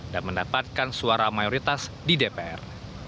dan mendapatkan suara mayoritas di dpr